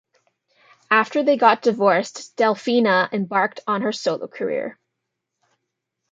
After they got divorced Dellfina embarked on her solo career.